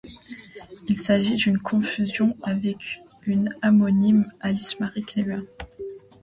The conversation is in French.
Il s'agit d'une confusion avec une homonyme, Alice Mary Cleaver.